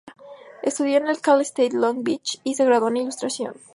Estudió en el Cal State Long Beach y se graduó en ilustración.